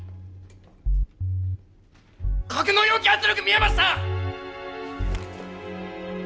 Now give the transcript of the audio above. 格納容器圧力見えました！